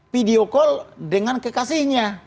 video call dengan kekasihnya